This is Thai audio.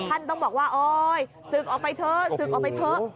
ท่านต้องบอกว่าโอ๊ยศึกออกไปเถอะศึกออกไปเถอะ